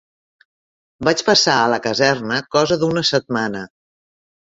Vaig passar a la caserna cosa d'una setmana.